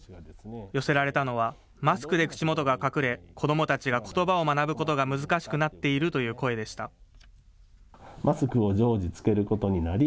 寄せられたのは、マスクで口元が隠れ、子どもたちがことばを学ぶことが難しくなっているという声でした。